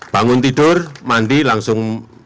bangun tidur mandi langsung